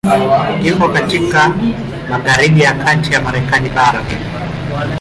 Iko katika magharibi ya kati ya Marekani bara.